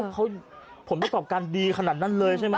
เขาผลประกอบการดีขนาดนั้นเลยใช่ไหม